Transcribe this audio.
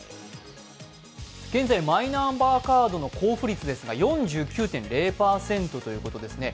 現在、マイナンバーカードの交付率ですが４９．０％ということですね。